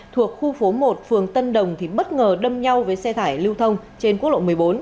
thuộc khu phố một phường tân đồng thì bất ngờ đâm nhau với xe tải lưu thông trên quốc lộ một mươi bốn